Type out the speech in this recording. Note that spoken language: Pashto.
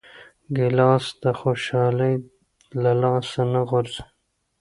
ګیلاس د خوشحالۍ له لاسه نه غورځي.